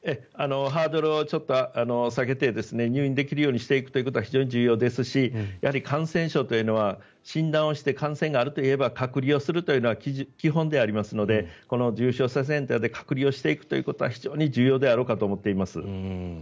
ハードルをちょっと下げて入院できるようにしていくということは非常に重要ですしやはり感染症というのは診断をして感染があるといえば隔離をするというのが基本ではありますのでこの重症者センターで隔離をしていくことは非常に重要だろうと考えています。